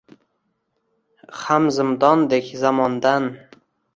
Hamzindondek zamondan.